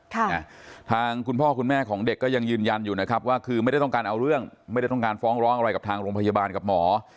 ทางคุณพ่อคุณแม่ของเด็กก็ยังยืนยันอยู่นะครับว่าคือไม่ได้ต้องการเอาเรื่องไม่ได้ต้องการฟ้องร้องอะไรกับทางโรงพยาบาลกับหมอ